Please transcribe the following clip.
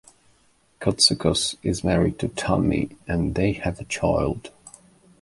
Cotsakos is married to Tami and they have a child.